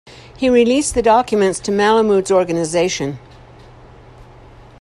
He released the documents to Malamud's organization.